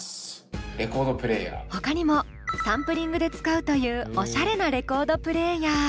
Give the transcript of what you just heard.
ほかにもサンプリングで使うというおしゃれなレコードプレーヤー。